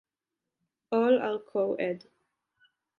All are co-ed.